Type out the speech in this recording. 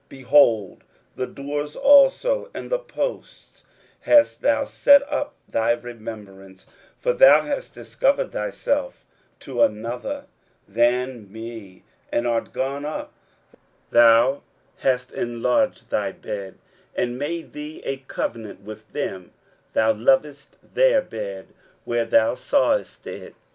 23:057:008 Behind the doors also and the posts hast thou set up thy remembrance: for thou hast discovered thyself to another than me, and art gone up; thou hast enlarged thy bed, and made thee a covenant with them; thou lovedst their bed where thou sawest it.